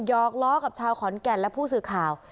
อกล้อกับชาวขอนแก่นและผู้สื่อข่าว